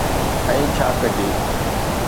۽ ڇا ڪجي؟